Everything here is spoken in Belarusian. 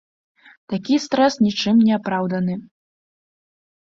Такі стрэс нічым не апраўданы.